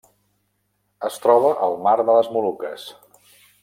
Es troba al Mar de les Moluques.